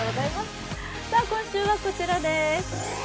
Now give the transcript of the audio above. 今週はこちらです。